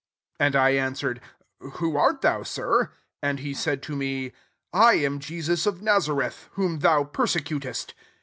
8 And I answered, 'Who art thou. Sir ?' And he said to me, ' I am Jesus of Nazareth, whom thou persccutest.'